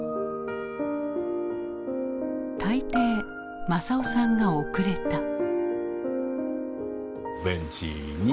大抵政男さんが遅れた。